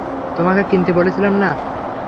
তোমাকে কিনতে বলেছিলাম না?